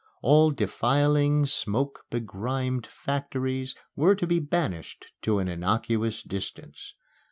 All defiling, smoke begriming factories were to be banished to an innocuous distance.